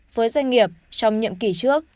với doanh nghiệp trong nhậm kỳ trước